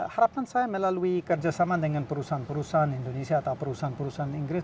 harapan saya melalui kerjasama dengan perusahaan perusahaan indonesia atau perusahaan perusahaan inggris